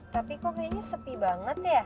tapi kok kayaknya sepi banget ya